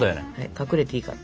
隠れていいから。